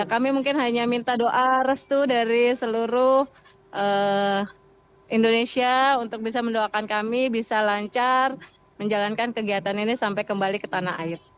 kami mungkin hanya minta doa restu dari seluruh indonesia untuk bisa mendoakan kami bisa lancar menjalankan kegiatan ini sampai kembali ke tanah air